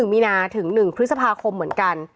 มีนาถึง๑พฤษภาคมเหมือนกัน